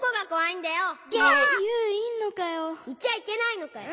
いちゃいけないのかよ。